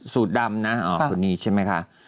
สูตรดำนะคนนี้ใช่ไหมคะ